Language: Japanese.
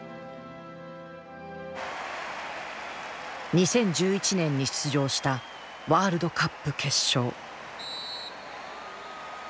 ２０１１年に出場したワールドカップ決勝。